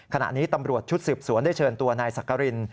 ขณะนี้ตำรวจชุดสืบสวนได้เชิญตัวนายสักกริน